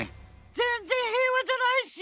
ぜんぜん平和じゃないし！